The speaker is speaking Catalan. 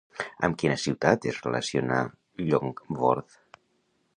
Amb quina ciutat es relaciona Llongborth?